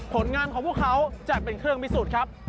ผลงานของพวกเขาจะเป็นเครื่องพิสูจน์ครับ